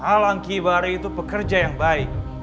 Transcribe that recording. alang kibari itu pekerja yang baik